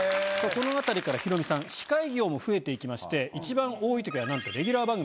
このあたりからヒロミさん司会業も増えていきまして一番多いときはなんと。